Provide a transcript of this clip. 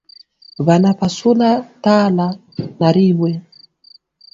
Bana pasula tala na ribwe